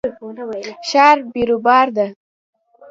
ښار بیروبار ده